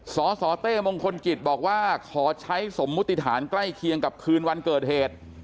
สสเต้มงคลกิจบอกว่าขอใช้สมมุติฐานใกล้เคียงกับคืนวันเกิดเหตุ